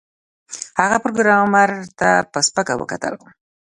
هغه پروګرامر ته په سپکه وکتل